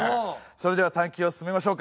それでは探究を進めましょうか。